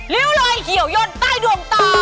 ริ้วลอยเหี่ยวยนใต้ดวงตา